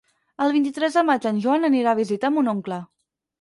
El vint-i-tres de maig en Joan anirà a visitar mon oncle.